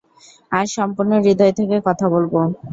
আজ সম্পূর্ণ হৃদয় থেকে কথা বলবো।